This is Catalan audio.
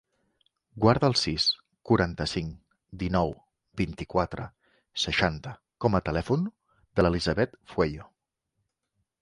Guarda el sis, quaranta-cinc, dinou, vint-i-quatre, seixanta com a telèfon de l'Elisabeth Fueyo.